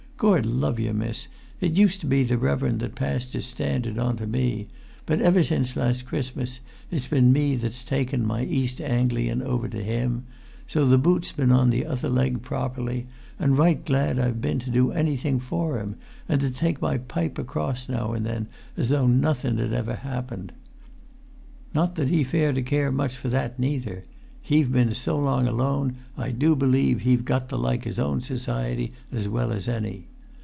"Gord love yer, miss, it used to be the reverend that passed his Standard on to me; but ever since last Christmas it's been me that's taken my East Anglian over to him; so the boot's been on the other leg properly; and right glad I've been to do anything for him, and to take my pipe across now and then as though nothun had ever happened. Not that he fare to care much for that, neither; he've been so long alone, I do believe he've got to like his own society as well as any.